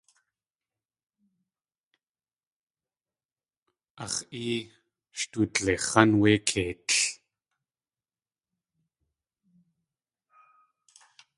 Ax̲ ée sh dlix̲án wé keitl.